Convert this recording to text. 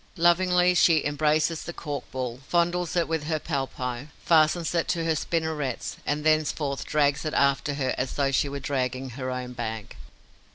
Lovingly she embraces the cork ball, fondles it with her palpi, fastens it to her spinnerets and thenceforth drags it after her as though she were dragging her own bag.